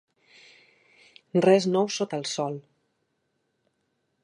Res nou sota el sol.